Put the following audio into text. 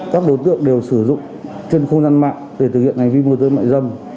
các đối tượng đều sử dụng trên khuôn năng mạng để thực hiện hành vi mua dâm mại dâm